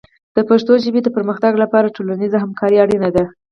د پښتو ژبې د پرمختګ لپاره ټولنیز همکاري اړینه ده.